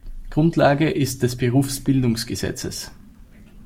Grundlage ist des Berufsbildungsgesetzes.